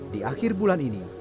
di akhir bulan ini